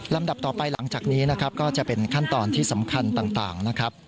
ลำดับต่อไปหลังจากนี้ก็จะเป็นขั้นตอนที่สำคัญต่าง